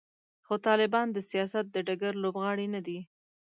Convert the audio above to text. خو طالبان د سیاست د ډګر لوبغاړي نه دي.